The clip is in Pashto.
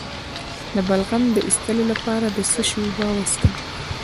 د بلغم د ایستلو لپاره د څه شي اوبه وڅښم؟